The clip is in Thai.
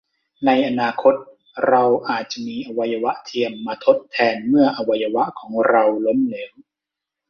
ในอนาคต เราอาจจะมีอวัยวะเทียมมาทดแทนเมื่ออวัยวะของเราล้มเหลว